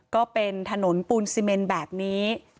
ก็เป็นถนนปูนซีเมนแบบนี้